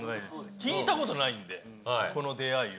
聞いたことないんで、この出会いを。